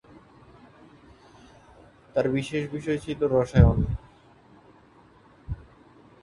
তার বিশেষ বিষয় ছিল রসায়ন।